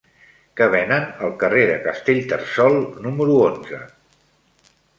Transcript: Què venen al carrer de Castellterçol número onze?